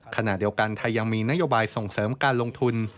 ขณะเดียวกันไทยยังมีนโยบายส่งเสริมการลงทุน